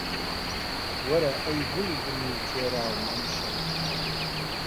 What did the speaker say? وەرە ئەی گوڵبنی تێراوم ئەمشەو